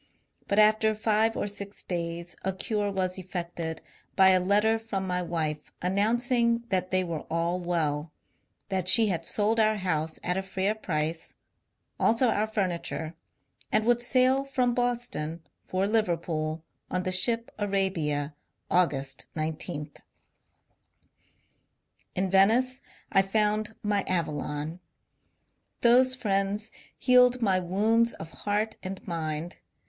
But after five or six days a cure was effected by a letter from my wife announcing that they were all well ; that she had sold our house at a fair price, also our furniture, and would sail from Boston for Liverpool on the ship Arabia, August 19. WITH HOWELLS IN VENICE 429 In Venice I found my Avalon. Those friends healed my wounds of heart and mind.